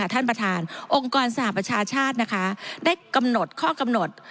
ท่านประธานองค์กรสหประชาชาตินะคะได้กำหนดข้อกำหนด